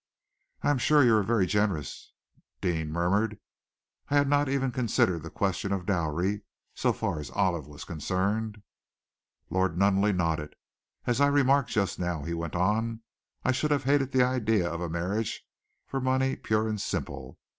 "I am sure you are very generous," Deane murmured. "I had not even considered the question of dowry so far as Olive was concerned." Lord Nunneley nodded. "As I remarked just now," he went on, "I should have hated the idea of a marriage for money pure and simple.